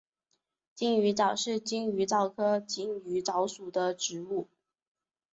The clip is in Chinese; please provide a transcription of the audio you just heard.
金鱼藻是金鱼藻科金鱼藻属的植物。